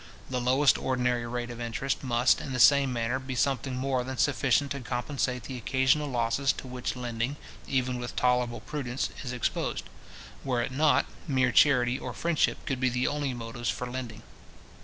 The lowest ordinary rate of interest must, in the same manner, be something more than sufficient to compensate the occasional losses to which lending, even with tolerable prudence, is exposed. Were it not, mere charity or friendship could be the only motives for lending.